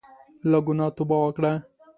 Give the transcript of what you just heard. له ګناه توبه وکړه.